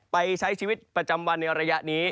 ไปใช้ชีวิตประจำวันในระยะนี้